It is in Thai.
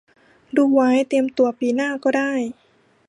ดูไว้เตรียมตัวปีหน้าก็ได้